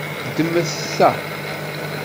Ddmet ta.